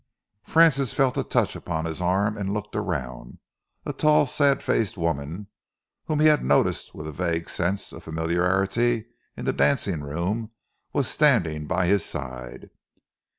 Francis felt a touch upon his arm and looked around. A tall, sad faced looking woman, whom he had noticed with a vague sense of familiarity in the dancing room, was standing by his side.